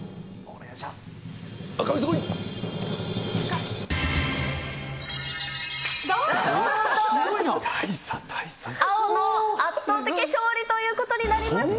お願いします。